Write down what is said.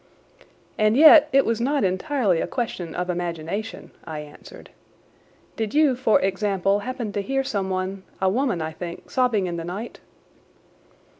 "And yet it was not entirely a question of imagination," I answered. "Did you, for example, happen to hear someone, a woman I think, sobbing in the night?"